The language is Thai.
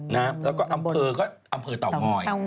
แล้วก็อำเภอก็อำเภอเต่างอย